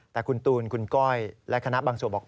แต่คุณตูนคุณก้อยและคณะบางส่วนบอก